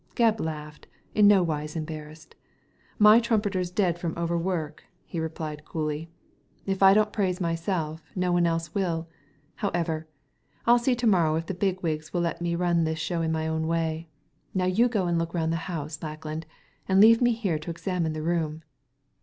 Gebb laughed, in nowise embarrassed. "My trumpeter's dead from over wprk," he replied coolly. Digitized by Google THE DEATH CARD 15 " If I don't praise myself no one else will However, I'll see to morrow if the big wigs will let me run this show in my own way. Now you go and look round the house, Lackland, and leave me here to examine the room."